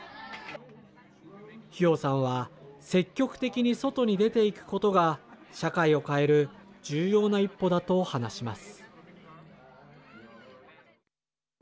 ヒヨウさんは積極的に外に出ていくことが社会を変える重要な一歩だと話します。